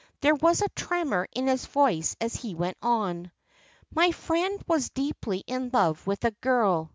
There was a tremor in his voice as he went on. "My friend was deeply in love with a girl.